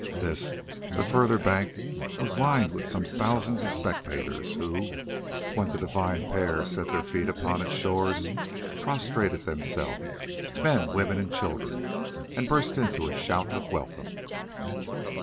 This, the further bank, was lined with some thousands of spectators, who, when the divine pair set their feet upon its shores, prostrated themselves, men, women, and children, and burst into a shout of welcome.